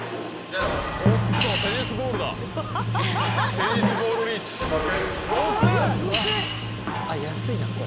あっ安いなこれ。